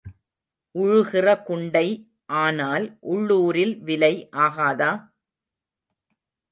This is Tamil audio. உழுகிற குண்டை ஆனால் உள்ளூரில் விலை ஆகாதா?